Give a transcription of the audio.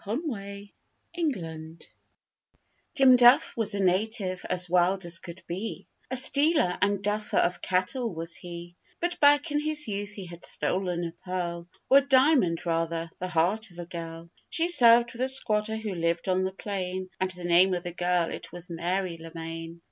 _ MARY LEMAINE Jim Duff was a 'native,' as wild as could be; A stealer and duffer of cattle was he, But back in his youth he had stolen a pearl Or a diamond rather the heart of a girl; She served with a squatter who lived on the plain, And the name of the girl it was Mary Lemaine.